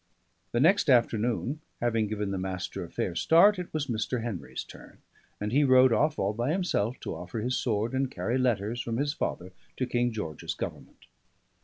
The next afternoon, having given the Master a fair start, it was Mr. Henry's turn; and he rode off, all by himself, to offer his sword and carry letters from his father to King George's Government.